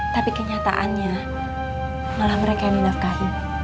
tapi kenyataannya malah mereka yang dinafkahi